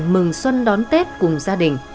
mừng xuân đón tết cùng gia đình